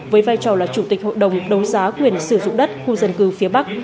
với vai trò là chủ tịch hội đồng đấu giá quyền sử dụng đất khu dân cư phía bắc